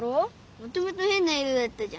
もともとへんな色だったじゃん。